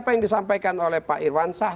yang di dalam omnibus law